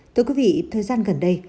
thưa quý vị thời gian gần đây